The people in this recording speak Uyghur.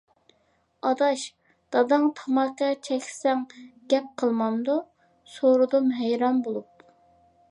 -ئاداش داداڭ تاماكا چەكسەڭ گەپ قىلمامدۇ؟ سورىدىم ھەيران بولۇپ.